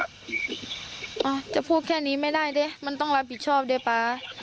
จะพูดแค่นี้ไม่ได้ดิมันต้องรับผิดชอบด้วยป๊า